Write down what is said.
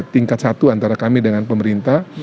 tingkat satu antara kami dengan pemerintah